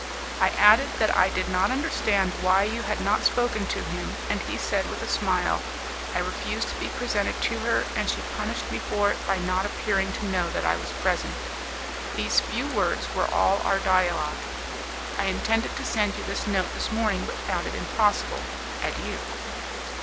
I added that I did not understand why you had not spoken to him, and he said, with a smile, 'I refused to be presented to her, and she punished me for it by not appearing to know that I was present.' These few words were all our dialogue. I intended to send you this note this morning, but found it impossible. Adieu."